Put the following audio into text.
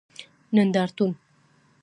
نندارتون